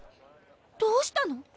どうしたの？